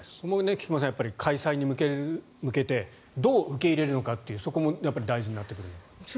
菊間さん、開催に向けてどう受け入れるのかということも大事なところかと。